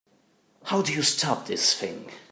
How do you stop this thing?